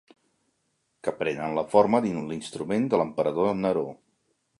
Que prenen la forma de l'instrument de l'emperador Neró.